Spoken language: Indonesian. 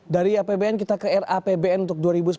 dari apbn kita ke rapbn untuk dua ribu sembilan belas